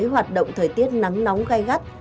hoạt động thời tiết nắng nóng gai gắt